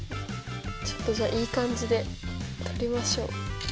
ちょっとじゃあいい感じで撮りましょう。